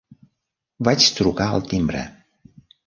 Vaig trucar al timbre.